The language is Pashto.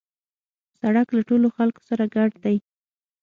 سړک له ټولو خلکو سره ګډ دی.